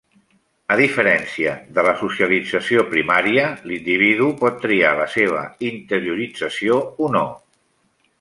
A diferència de la socialització primària, l’individu pot triar la seva interiorització o no.